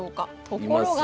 ところが。